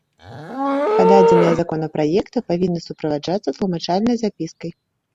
Пададзеныя законапраекты павінны суправаджацца тлумачальнай запіскай.